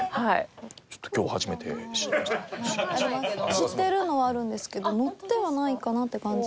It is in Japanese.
知ってるのはあるんですけど乗ってはないかなって感じで。